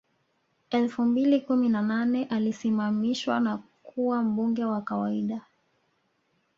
Elfu mbili kumi na nane alisimamishwa na kuwa mbunge wa kawaida